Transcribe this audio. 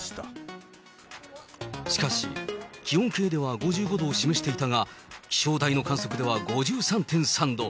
しかし、気温計では５５度を示していたが、気象台の観測では５３．３度。